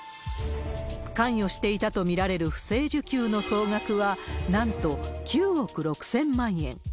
関与していたと見られる不正受給の総額は、なんと９億６０００万円。